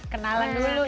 kenalan dulu ya